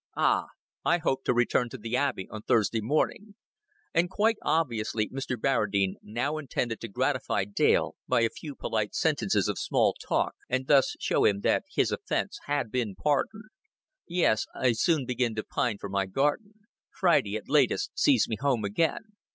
"Ah! I hope to return to the Abbey on Thursday morning;" and quite obviously Mr. Barradine now intended to gratify Dale by a few polite sentences of small talk, and thus show him that his offense had been pardoned. "Yes, I soon begin to pine for my garden. Friday, at latest, sees me home again.